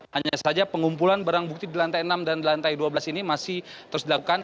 hanya saja pengumpulan barang bukti di lantai enam dan lantai dua belas ini masih terus dilakukan